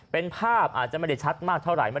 เป็นภาพอาจจะไม่ได้ชัดมากเท่าไหร่